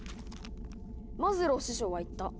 「マズロー師匠は言った。